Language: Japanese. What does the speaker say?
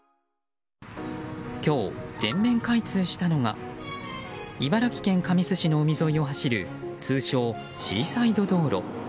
今日、全面開通したのが茨城県神栖市の海沿いを走る通称シーサイド道路。